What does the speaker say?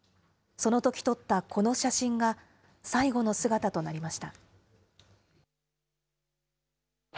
そのとき撮ったこの写真が、最後の姿となりました。